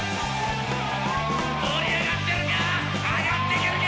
盛り上がってるか？